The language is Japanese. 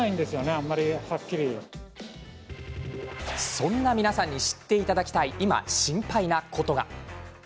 そんな皆さんに知っていただきたい今、心配なことが。